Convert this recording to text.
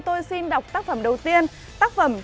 tôi xin đọc tác phẩm đầu tiên tác phẩm